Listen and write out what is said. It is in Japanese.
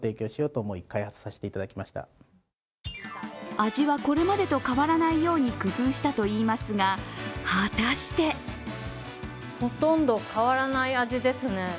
味はこれまでと変わらないように工夫したといいますが果たしてほとんど変わらない味ですね。